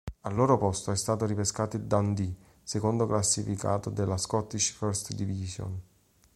Al loro posto è stato ripescato il Dundee, secondo classificato della Scottish First Division.